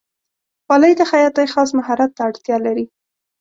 خولۍ د خیاطۍ خاص مهارت ته اړتیا لري.